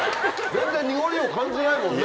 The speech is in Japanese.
全然濁りを感じないもんね。